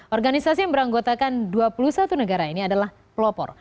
organisasi yang beranggotakan dua puluh satu negara ini adalah pelopor